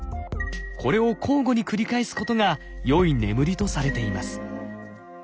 これを交互に繰り返すことがよい眠りとされています。